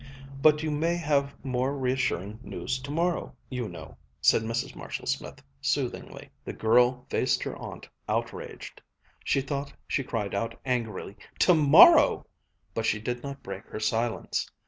but you may have more reassuring news tomorrow, you know," said Mrs. Marshall Smith soothingly. The girl faced her aunt outraged. She thought she cried out angrily, "tomorrow!" but she did not break her silence.